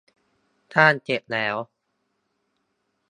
สร้างเสร็จแล้ว